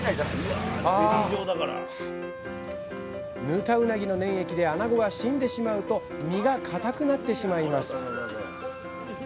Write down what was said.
ヌタウナギの粘液であなごが死んでしまうと身がかたくなってしまいます。